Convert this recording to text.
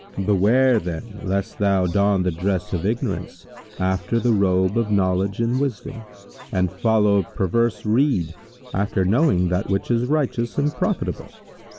Beware, then, lest thou don the dress of ignorance, after the robe of knowledge and wisdom, and follow perverse rede, after knowing that which is righteous and profitable.